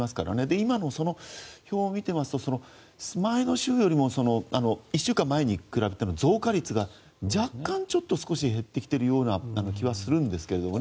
今のその表を見ていますと前の週よりも１週間前に比べての増加率が若干減ってきているような気はするんですけどね。